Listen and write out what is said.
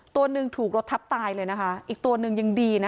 ตัวหนึ่งถูกรถทับตายเลยนะคะอีกตัวหนึ่งยังดีนะ